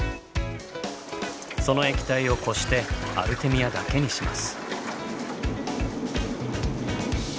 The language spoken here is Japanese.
その液体をこしてアルテミアだけにします。